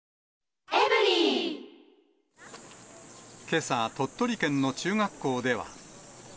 けさ、鳥取県の中学校では。